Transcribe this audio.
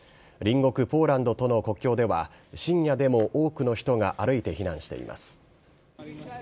隣国ポーランドとの国境では、深夜でも多くの人が歩いて避難しています。